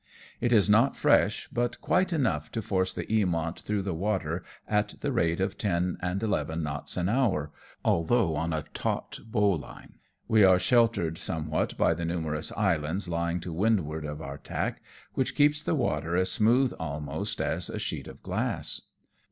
It is not fresh, but quite enough to force the Eamont through the water at the rate of ten and eleven knots an hour; although on a taught bowline. We are sheltered some what by the numerous islands lying to windward of our track, which keeps the water as smooth almost as a sheet of glass.